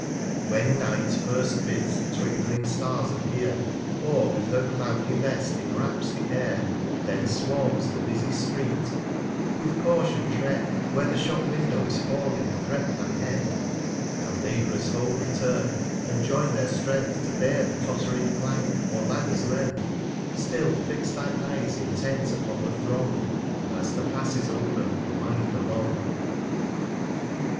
When Night first bids the twinkling Stars appear, Or with her cloudy Vest in wraps the Air, 10 fThen swarms the busie Street; with Caution tread, Where the Shop Windows falling threat thy Head; Now Lab'rers home return, and join their Strength To bear the tott'ring Plank, or Ladder's Length ; Still fix thy Eyes intent upon the Throng, 15 And as the Passes open, wind along.